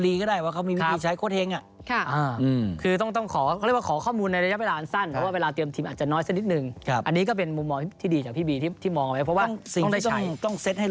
ถูกว่าถามชนบรีก็ได้ว่าเขามีวิธีใช้โคตรเฮ้งอะ